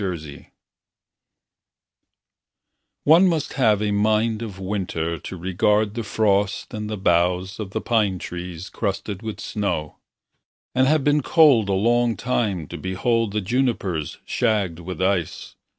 pdf One must have a mind of winter To regard the frost and the boughs Of the pine trees crusted with snow; And have been cold a long time To behold the junipers shagged with ice.